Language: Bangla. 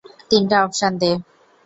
তিনটা অপশন দে।